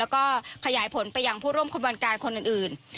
แล้วก็ขยายผลไปยังผู้ร่วมขบวนการคนอื่น